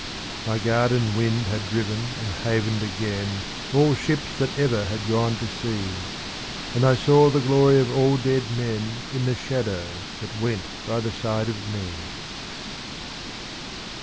My garden wind had driven and havened again All ships that ever had gone to sea, And I saw the glory of all dead men In the shadow that went by the side of me.